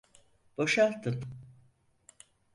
Boşaltın.